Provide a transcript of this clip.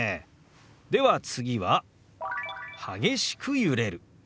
では次は「激しく揺れる」。